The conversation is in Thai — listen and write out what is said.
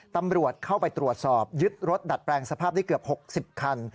ตำรวจเข้าไปตรวจสอบยึดรถดัดแปลงสภาพได้เกือบ๖๐คัน